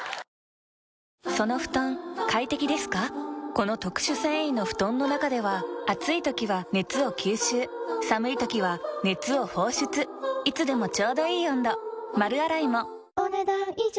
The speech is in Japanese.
この特殊繊維の布団の中では暑い時は熱を吸収寒い時は熱を放出いつでもちょうどいい温度丸洗いもお、ねだん以上。